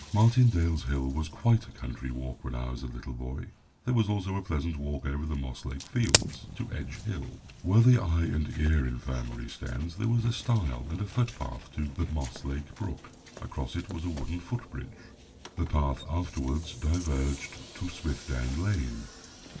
Martindale's hill was quite a country walk when I was a little boy. There was also a pleasant walk over the Moss Lake Fields to Edge Hill. Where the Eye and Ear Infirmary stands there was a stile and a foot path to the Moss Lake Brook, across it was a wooden foot bridge. The path afterwards diverged to Smithdown lane.